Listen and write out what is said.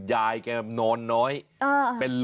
ยายแกนอนน้อย